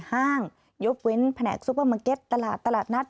ห้างยกเว้นแผนกซูเปอร์มาร์เก็ตตลาดตลาดนัด